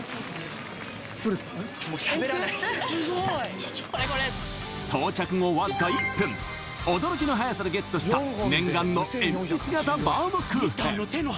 えっ到着後わずか１分驚きのはやさでゲットした念願のえんぴつ型バウムクーヘン